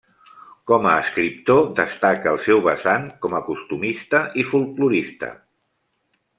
Com a escriptor, destaca el seu vessant com a costumista i folklorista.